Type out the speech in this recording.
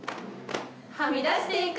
はみ出していく。